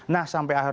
nah sampai akhir